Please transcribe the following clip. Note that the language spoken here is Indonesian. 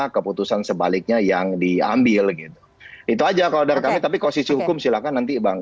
keputusan sebaliknya yang diambil gitu itu aja kalau dari kami tapi posisi hukum silahkan nanti bang